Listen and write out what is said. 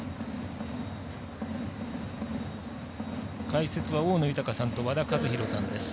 解説は大野豊さんと和田一浩さんです。